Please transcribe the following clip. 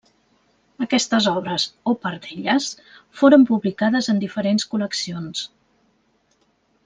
Aquestes obres, o part d'elles, foren publicades en diferents col·leccions.